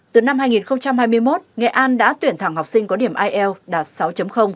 từ năm hai nghìn hai mươi một nghệ an đã tuyển thẳng học sinh có điểm ielts đạt sáu